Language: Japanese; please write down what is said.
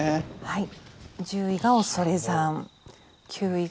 はい。